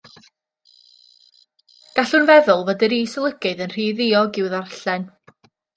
Gallwn feddwl fod yr is-olygydd yn rhy ddiog i'w ddarllen.